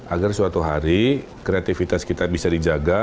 agar suatu hari kreativitas kita bisa dijaga